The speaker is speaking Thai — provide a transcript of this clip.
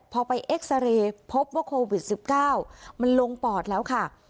พอไปเอ็กซาเรย์พบว่าโควิด๑๙มันลงปอดแล้วค่ะ